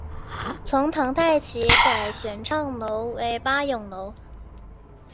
从唐代起改玄畅楼为八咏楼。